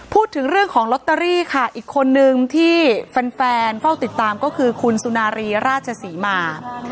พูดถึงเรื่องของลอตเตอรี่ค่ะอีกคนนึงที่แฟนเฝ้าติดตามก็คือคุณสุนารีราชศรีมา